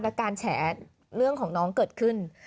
และการแฉเรื่องของน้องเกิดขึ้น